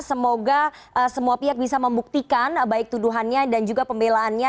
semoga semua pihak bisa membuktikan baik tuduhannya dan juga pembelaannya